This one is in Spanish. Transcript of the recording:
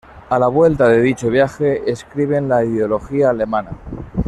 A la vuelta de dicho viaje escriben "La ideología alemana".